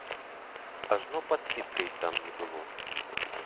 Ажно падсітка й там не было.